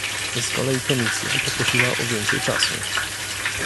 Z kolei Komisja poprosiła o więcej czasu